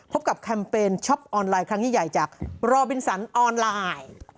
พบกับแคมเปญช็อปออนไลน์ครั้งยิ่งใหญ่จากรอบินสันออนไลน์